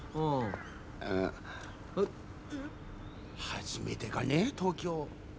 初めてかね東京。